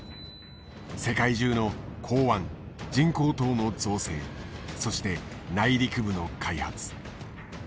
世界中の港湾人工島の造成そして内陸部の開発。